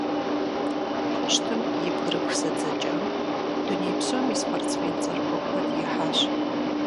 Хъущтым и «бгырыпх зэдзэкӏам» дуней псом и спортсмен цӏэрыӏуэ куэд ихьащ.